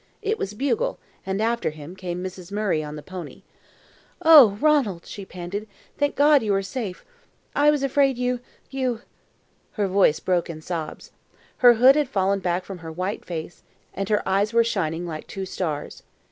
It was Bugle, and after him came Mrs. Murray on the pony. "Oh, Ranald!" she panted, "thank God you are safe. I was afraid you you " Her voice broke in sobs. Her hood had fallen back from her white face, and her eyes were shining like two stars.